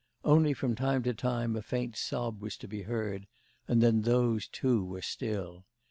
Only from time to time a faint sob was to be heard, and then those, too, were still.